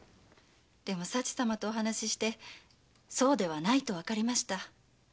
でも佐知様とお話ししてそうではないとわかりました。